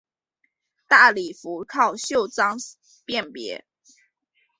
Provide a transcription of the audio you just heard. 大礼服靠袖章辨别。